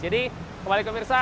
jadi kembali ke pemirsa